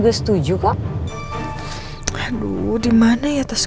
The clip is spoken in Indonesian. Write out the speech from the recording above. kalau apa lu tanpa kisten